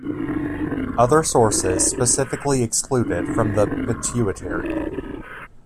Other sources specifically exclude it from the pituitary.